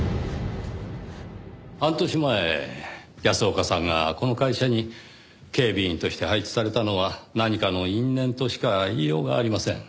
半年前安岡さんがこの会社に警備員として配置されたのは何かの因縁としか言いようがありません。